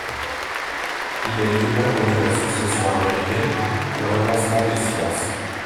Il a été membre de l'Association américaine pour l'avancement des sciences.